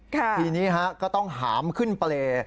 ทีนี้ก็ต้องหามขึ้นเปรย์